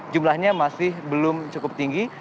jumlahnya masih belum cukup tinggi